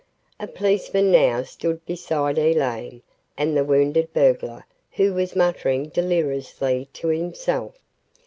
A policeman now stood beside Elaine and the wounded burglar who was muttering deliriously to himself.